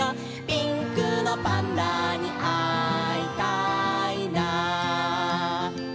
「ピンクのパンダにあいたいな」